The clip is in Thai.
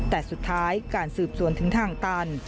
แต่สุดท้ายการสืบสวนถึงทางตัน